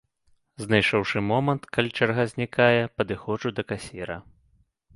Знайшоўшы момант, калі чарга знікае, падыходжу да касіра.